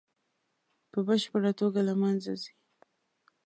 په بشپړه توګه له منځه ځي.